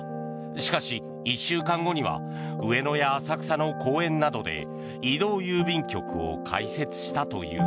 しかし、１週間後には上野や浅草の公園などで移動郵便局を開設したという。